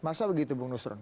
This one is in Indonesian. masa begitu bung nusron